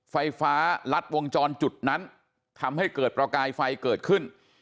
ไฟฟ้ารัดวงจรจุดนั้นทำให้เกิดประกายไฟเกิดขึ้น